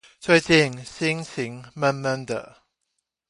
最近心情悶悶的